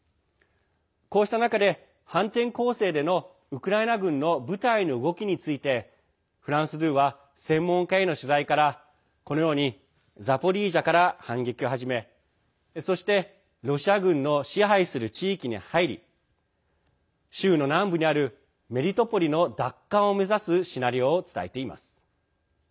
こうした中で反転攻勢でのウクライナ軍の部隊の動きについてフランス２は専門家への取材からこのようにザポリージャから反撃を始めそして、ロシア軍の支配する地域に入り州の南部にあるメリトポリの奪還を目指すシナリオを伝えています。